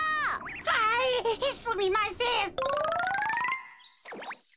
はいすみません。